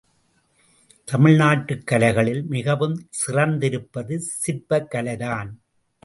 தமிழ்நாட்டுக் கலைகளில் மிகவும் சிறந்திருப்பது சிற்பக் கலைதான்.